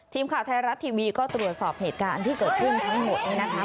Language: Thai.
ทีมข่าวไทยรัฐทีวีก็ตรวจสอบเหตุการณ์ที่เกิดขึ้นทั้งหมดเนี่ยนะคะ